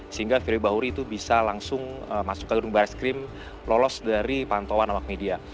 sehingga firly bahuri itu bisa langsung masuk ke gedung baris krim lolos dari pantauan awak media